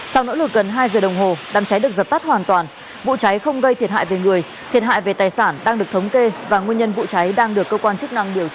sau nỗ lực gần hai giờ đồng hồ đám cháy được dập tắt hoàn toàn vụ cháy không gây thiệt hại về người thiệt hại về tài sản đang được thống kê và nguyên nhân vụ cháy đang được cơ quan chức năng điều tra